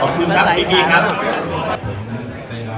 ขอบคุณครับ